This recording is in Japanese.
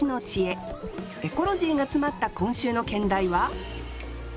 エコロジーが詰まった今週の兼題は？